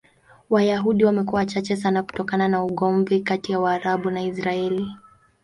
Wayahudi wamekuwa wachache sana kutokana na ugomvi kati ya Waarabu na Israel.